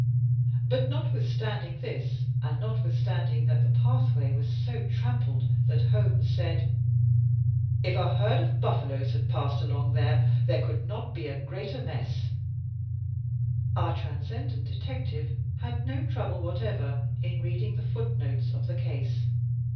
But notwithstanding this and notwithstanding that the pathway was so trampled that Holmes said, "If a herd of buffaloes had passed along there there could not be a greater mess," our Transcendent Detective had no trouble whatever in reading the footnotes of the case.